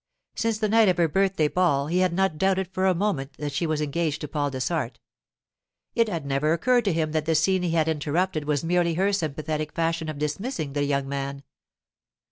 Since the night of her birthday ball he had not doubted for a moment that she was engaged to Paul Dessart. It had never occurred to him that the scene he had interrupted was merely her sympathetic fashion of dismissing the young man.